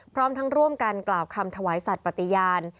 พร้อมทั้งร่วมกันกล่าวคำถวายสัตว์ปฏิญาณ